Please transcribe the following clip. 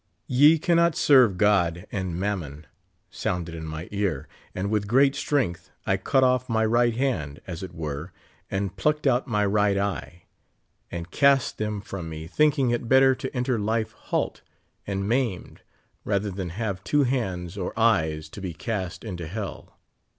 "Ye cannot serve God and mammon," sounded in m}" ear, and with giant strength I cut off my right hand, as it were, and plucked out my right eye, and cast them from me, thinking it better to enter life halt and maimed rather than liave two hands or eyes to be cast into hell.